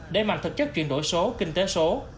để mạnh thực chất chuyển đổi số kinh tế số